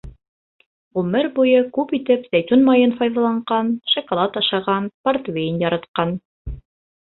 Ғүмер буйы күп итеп зәйтүн майын файҙаланған, шоколад ашаған, портвейн яратҡан.